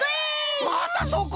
またそこ？